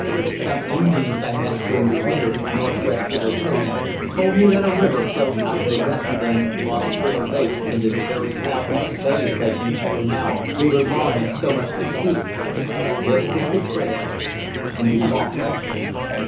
Some Indians I met during the winter at Northwest River Post told me that a river flowed out of the western end of Lost Trail Lake into the very southeast bay of Lake Michikamau we were longing so much to see. This was the trail. And we lost it.